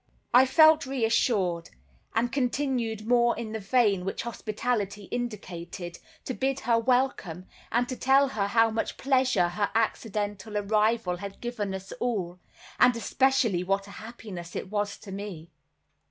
I felt reassured, and continued more in the vein which hospitality indicated, to bid her welcome, and to tell her how much pleasure her accidental arrival had given us all, and especially what a happiness it was to me.